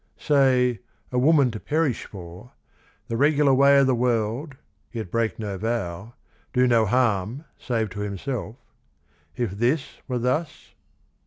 . say, a woman to perish for, The regular way o' the world, yet break no vow, Do no harm save to himself, — if this were thus?